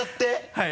はい。